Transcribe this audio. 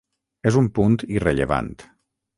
És un punt irrellevant.